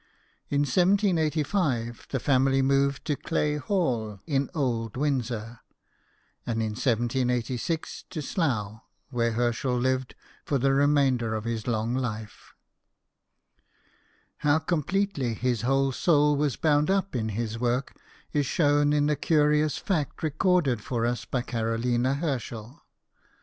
In 1785, the family moved to Clay Hall, in Old Windsor, and in 1786 to Slough, where Herschel lived for the remainder of his long life. How completely his whole soul was bound up in his work is shown in the curious fact recorded for us by Carolina Herschel.